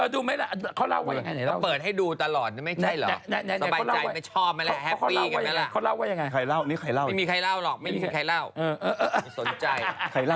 ดูไหมล่ะดูไหมล่ะ